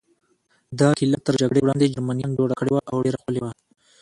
دا کلا تر جګړې وړاندې جرمنیان جوړه کړې وه او ډېره ښکلې وه.